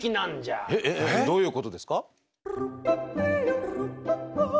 えっえっどういうことですか？